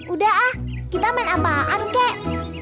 udah ah kita main apaan kek